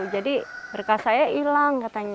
jadi bekas saya hilang katanya